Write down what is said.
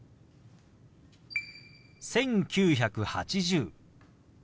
「１９８０」。